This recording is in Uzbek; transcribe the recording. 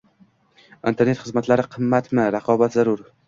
Internet xizmatlari qimmatmi? Raqobat zarur